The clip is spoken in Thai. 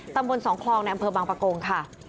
ตำบลสองคลองในอำเภอบางปะโกงค่ะ